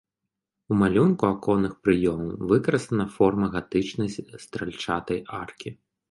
У малюнку аконных праёмаў выкарыстана форма гатычнай стральчатай аркі.